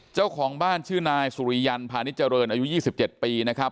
เจ้าของบ้านชื่อนายสุริยันพาณิชเจริญอายุ๒๗ปีนะครับ